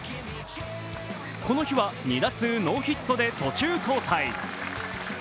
この日は２打数ノーヒットで途中交代。